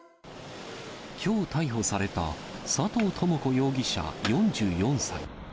きょう逮捕された佐藤智子容疑者４４歳。